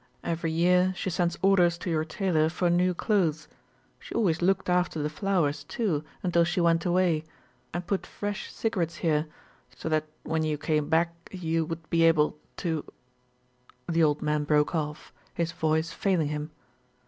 Every year she sends orders to your tailor for new clothes. She always looked after the flowers too until she went away, and put fresh cigarettes here, so that when you came back you would be able to " the old man broke off, his voice failing him.